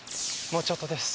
もうちょっとです？